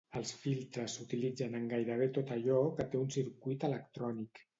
Els filtres s'utilitzen en gairebé tot allò que té un circuit electrònic.